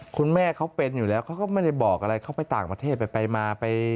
คุณแม่เขาเป็นอยู่แล้วเขาก็ไม่ได้บอกอะไรเขาไปต่างประเทศไปมา